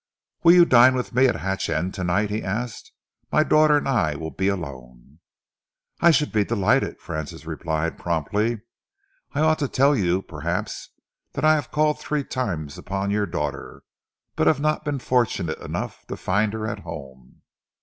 "Will you dine with me at Hatch End to night?" he asked. "My daughter and I will be alone." "I should be delighted," Francis replied promptly. "I ought to tell you, perhaps, that I have called three times upon your daughter but have not been fortunate enough to find her at home."